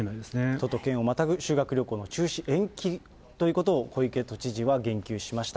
都と県をまたぐ修学旅行の中止、延期ということを小池都知事は言及しました。